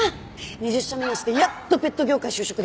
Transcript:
２０社目にしてやっとペット業界就職だよ。